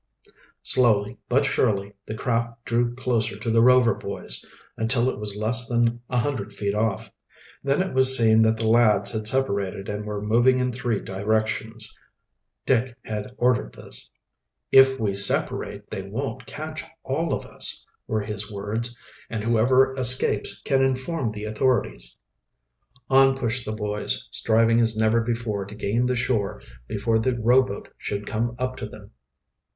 Slowly, but surely, the craft drew closer to the Rover boys, until it was less than a hundred feet off. Then it was seen that the lads had separated and were moving in three directions. Dick had ordered this. "If we separate, they won't catch all of us," were his words. "And whoever escapes can inform the authorities." On pushed the boys, striving as never before to gain the shore before the rowboat should come up to them.